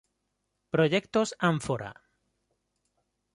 Proyectos Ánfora.